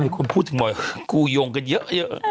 ทำไมคนพูดถึงบ่อยกูยงกันเยอะ